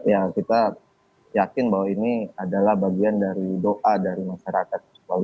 ya kita yakin bahwa ini adalah bagian dari doa dari masyarakat